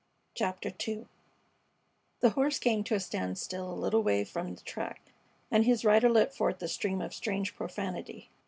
CHAPTER II The horse came to a standstill a little way from the track, and his rider let forth a stream of strange profanity.